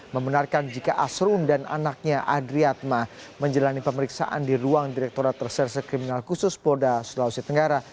membenarkan jika asrun dan anaknya adriat mahdwi putra menjalani pemeriksaan di ruang direkturat terserseh kriminal khusus polda sulawesi tenggara